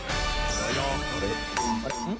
あれ？